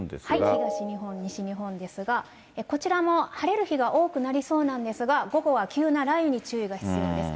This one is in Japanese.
東日本、西日本ですが、こちらも晴れる日が多くなりそうなんですが、午後は急な雷雨に注意が必要です。